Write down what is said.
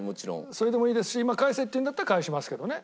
それでもいいですし今返せっていうんだったら返しますけどね